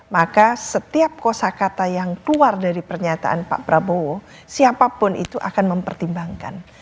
maka setiap kosa kata yang keluar dari pernyataan pak prabowo siapapun itu akan mempertimbangkan